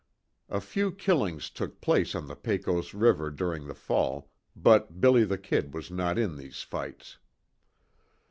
A few "killings" took place on the Pecos river during the fall, but "Billy the Kid" was not in these fights.